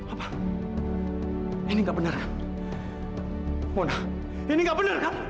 apa ini enggak bener mona ini enggak bener